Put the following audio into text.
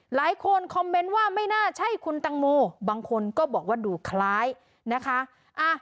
หลายคนคอมเมนต์ว่าไม่น่าใช่คุณตังโมบางคนก็บอกว่าดูคล้ายนะคะ